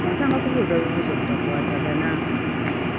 Ontama kubuuza bibuuzo bitakwatagana.